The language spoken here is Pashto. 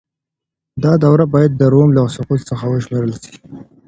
دا دوره بايد د روم له سقوط څخه وشمېرل سي.